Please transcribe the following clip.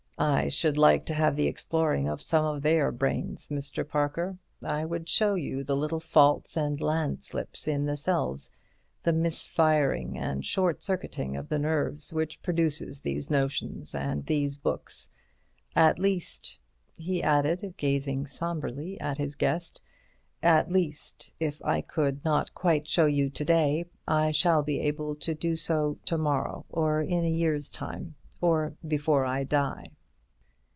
I should like to have the exploring of some of their brains, Mr. Parker; I would show you the little faults and landslips in the cells—the misfiring and short circuiting of the nerves, which produce these notions and these books. At least," he added, gazing sombrely at his guest, "at least, if I could not quite show you to day, I shall be able to do so to morrow—or in a year's time—or before I die."